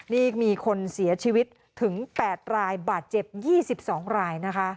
นี่มีคนเสียชีวิตถึง๘รายบาดเจ็บ๒๒รายนะคะ